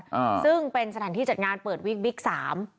อ่าซึ่งเป็นสถานที่จัดงานเปิดวิกบิ๊กสาม